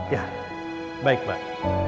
ya baik pak